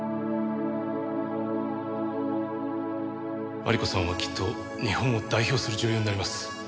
麻理子さんはきっと日本を代表する女優になります。